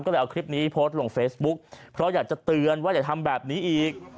ก็เลยเอาคลิปนี้โพสต์ลงเฟซบุ๊กเพราะอยากจะเตือนว่าอย่าทำแบบนี้อีก